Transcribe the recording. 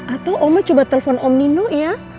atau oma coba telepon om nino ya